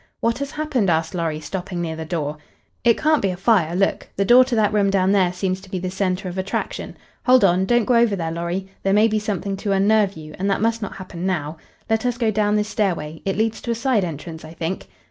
"What has happened?" asked Lorry, stopping near the door. "It can't be a fire. Look! The door to that room down there seems to be the center of attraction. Hold on! Don't go over there, Lorry. There may be something to unnerve you, and that must not happen now. Let us go down this stairway it leads to a side entrance, I think."